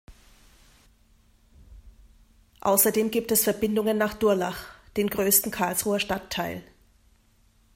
Außerdem gibt es Verbindungen nach Durlach, den größten Karlsruher Stadtteil.